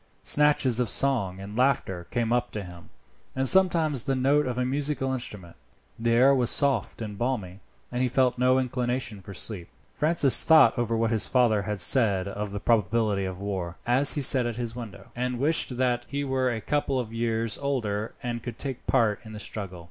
Snatches of song and laughter came up to him, and sometimes the note of a musical instrument. The air was soft and balmy, and he felt no inclination for sleep. Francis thought over what his father had said of the probability of war, as he sat at his window, and wished that he were a couple of years older and could take part in the struggle.